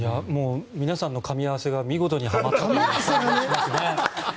皆さんのかみ合わせが見事にはまったなと思いますね。